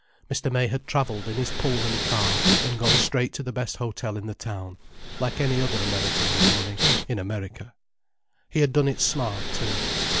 Mr. May had travelled in his Pullman car and gone straight to the best hotel in the town, like any other American with money—in America. He had done it smart, too.